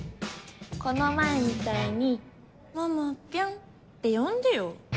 この前みたいに「桃ピョン」って呼んでよ。